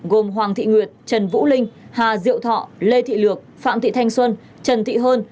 gồm hoàng thị nguyệt trần vũ linh hà diệu thọ lê thị lược phạm thị thanh xuân trần thị hơn